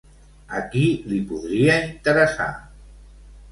A qui li podria interessar?